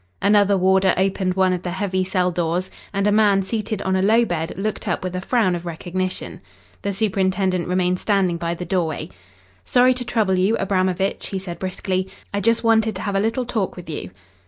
Another warder opened one of the heavy cell doors, and a man seated on a low bed looked up with a frown of recognition. The superintendent remained standing by the doorway. "Sorry to trouble you, Abramovitch," he said briskly. "I just wanted to have a little talk with you."